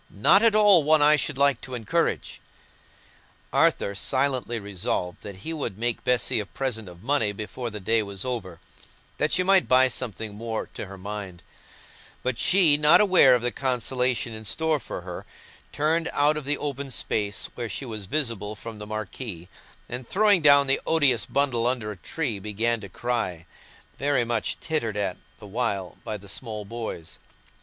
"Not at all one I should like to encourage." Arthur silently resolved that he would make Bessy a present of money before the day was over, that she might buy something more to her mind; but she, not aware of the consolation in store for her, turned out of the open space, where she was visible from the marquee, and throwing down the odious bundle under a tree, began to cry—very much tittered at the while by the small boys.